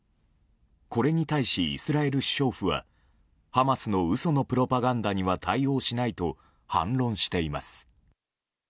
これに対し、イスラエル首相府はハマスの嘘のプロパガンダには対応しないと反論しています。